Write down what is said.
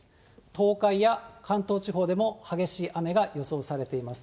東海や関東地方でも激しい雨が予想されています。